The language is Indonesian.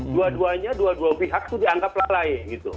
dua duanya dua dua pihak itu dianggap lelahi